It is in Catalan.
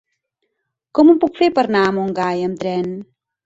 Com ho puc fer per anar a Montgai amb tren?